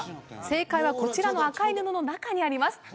正解はこちらの赤い布の中にありますす